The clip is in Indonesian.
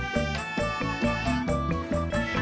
terima kasih pak